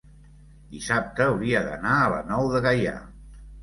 dissabte hauria d'anar a la Nou de Gaià.